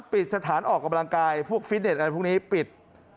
ปิดสถานออกกำลังกายพวกฟิตเน็ตอะไรพวกนี้ปิด